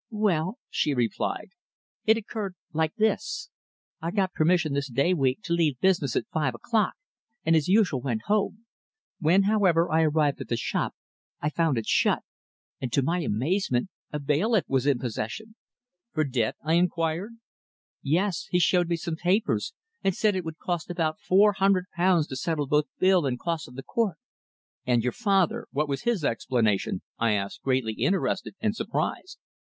"Well," she replied, "it occurred like this. I got permission this day week to leave business at five o'clock, and, as usual, went home. When, however, I arrived at the shop I found it shut, and to my amazement a bailiff was in possession." "For debt?" I inquired. "Yes. He showed me some papers, and said it would cost about four hundred pounds to settle both bill and costs of the court." "And your father? What was his explanation?" I asked, greatly interested and surprised.